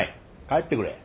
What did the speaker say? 帰ってくれ。